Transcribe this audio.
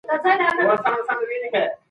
تاسي کله د مسلمانانو د اتحاد لپاره دعا وکړه؟